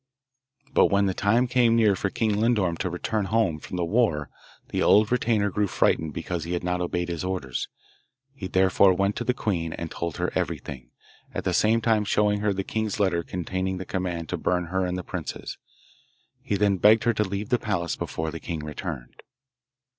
But when the time came near for King Lindorm to return home from the war the old retainer grew frightened because he had not obeyed his orders. He therefore went to the queen, and told her everything, at the same time showing her the king's letter containing the command to burn her and the princes. He then begged her to leave the palace before the king returned.